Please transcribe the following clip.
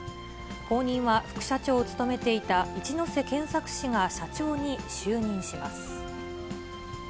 後任は副社長を務めていた一瀬健作氏が社長に就任します。